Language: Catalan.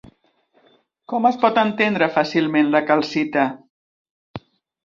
Com es pot entendre fàcilment la calcita?